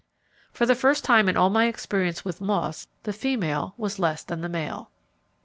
For the first time in all my experience with moths the female was less than the male.